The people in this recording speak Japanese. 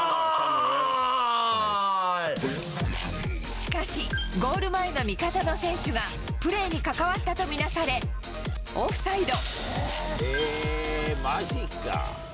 しかし、ゴール前の味方の選手がプレーに関わったと見なされ、オフサイド。